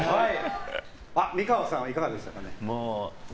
美川さんはいかがでしたかね。